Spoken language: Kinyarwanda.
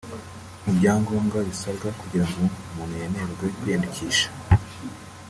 Mu byangombwa bisabwa kugira ngo umuntu yemererwe kwiyandikisha